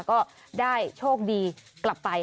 ก็ได้โชคดีกลับไป